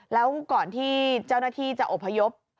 แล้วก่อนที่เจ้าหน้าที่จะอบพยพ